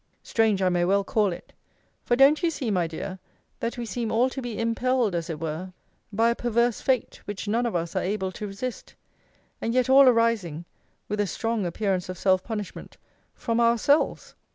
Strange, I may well call it; for don't you see, my dear, that we seem all to be impelled, as it were, by a perverse fate, which none of us are able to resist? and yet all arising (with a strong appearance of self punishment) from ourselves?